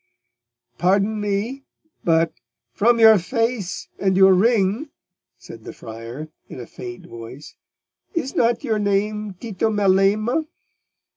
"Pardon me, but—from your face and your ring,"—said the friar, in a faint voice, "is not your name Tito Melema?"